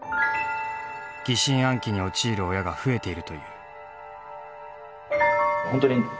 疑心暗鬼に陥る親が増えているという。